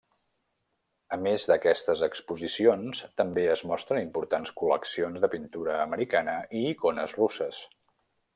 A més d'aquestes exposicions també es mostren importants col·leccions de pintura americana i icones russes.